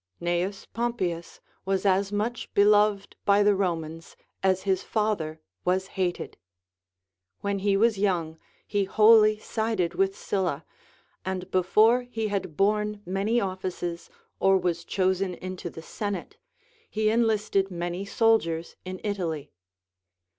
Cn. Pompeius Avas as much beloved by the Romans as his father Avas hated. When hoAvas vouu"•, he Avholly sided Avitli Sylla, and before he had borne many offices or Avas chosen into the senate, he enlisted many soldiers in Italy.